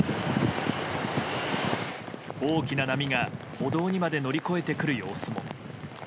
大きな波が、歩道にまで乗り越えてくる様子も。